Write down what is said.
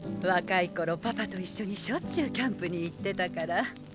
若い頃パパと一緒にしょっちゅうキャンプに行ってたから。